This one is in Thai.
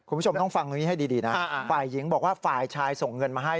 คุณผู้ชมต้องฟังตรงนี้ให้ดีนะฝ่ายหญิงบอกว่าฝ่ายชายส่งเงินมาให้